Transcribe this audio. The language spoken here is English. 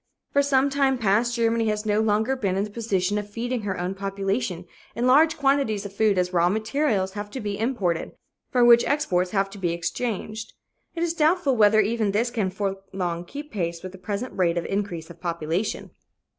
"For some time past Germany has no longer been in the position of feeding her own population, and large quantities of food as raw materials have to be imported, for which exports have to be exchanged. It is doubtful whether even this can for long keep pace with the present rate of increase of population."